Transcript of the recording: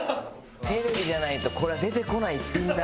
テレビじゃないとこれは出てこない逸品だ。